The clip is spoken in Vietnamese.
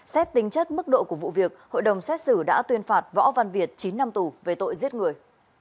xét tính chất mức độ của vụ việc hội đồng xét xử đã tuyên phạt võ văn việt chín năm tù về tội giết người